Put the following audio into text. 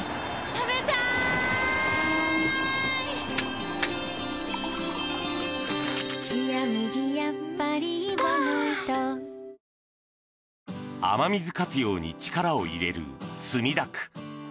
キッコーマン雨水活用に力を入れる墨田区。